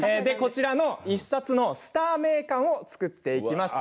１冊のスター名鑑を作っていきます。